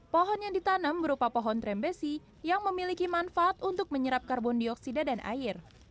pohon yang ditanam berupa pohon trembesi yang memiliki manfaat untuk menyerap karbon dioksida dan air